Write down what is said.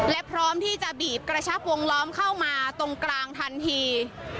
และพร้อมที่จะบีบกระชับวงล้อมเข้ามาตรงกลางทันที